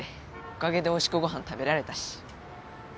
おかげでおいしくご飯食べられたし。